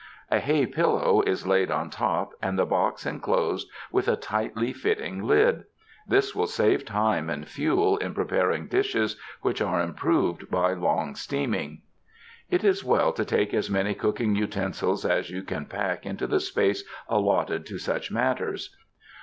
A hay pillow is laid on top, and the box closed with a tightly fitting lid. This will save time and fuel in preparing dishes which are improved by long steaming. It is well to take as many cooking utensils as you can pack into the space allotted to such matters.